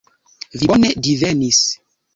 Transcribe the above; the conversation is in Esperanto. Vi bone divenis.